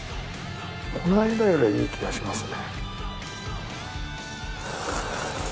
この間よりはいい気がしますね。